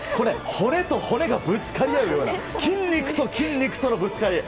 骨と骨がぶつかるような筋肉と筋肉とのぶつかり合い。